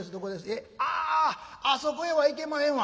えああっあそこへは行けまへんわ」。